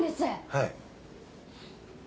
はい。